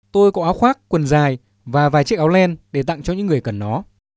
tôi có áo khoác quần dài và vài chiếc áo len để tặng cho những người cần nó